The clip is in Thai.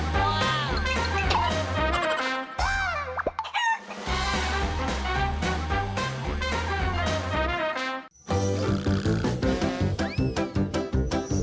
ว้าว